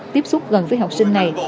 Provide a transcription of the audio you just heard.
tiếp xúc gần với học sinh này